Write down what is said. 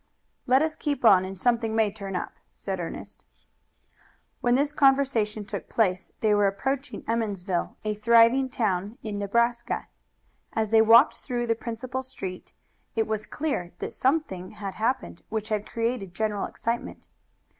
"Let us keep on and something may turn up." When this conversation took place they were approaching Emmonsville, a thriving town in Nebraska. As they walked through the principal street, it was clear that something had happened which had created general excitement.